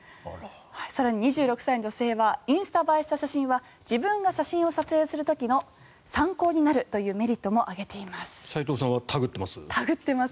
更に２６歳の女性はインスタ映えした写真は自分が写真を撮影した時の参考になるというメリットも挙げています。